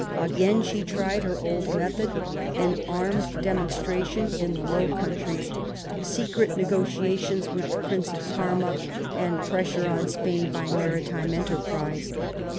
Again sh^ tried her old method, an armed demonstra tion in the Low Countries, secret negotiations with the Prince of Parma, and pressure on Spain by maritime enterprise.